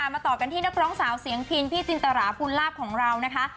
มาต่อกันที่นักร้องสาวเสียงพินพี่จินตราภูลาภของเรานะคะ